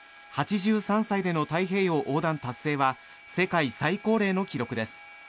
８３歳での太平洋横断達成は世界最高齢の記録です。